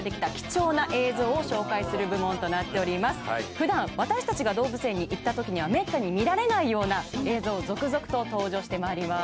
普段私達が動物園に行った時にはめったに見られないような映像続々と登場してまいります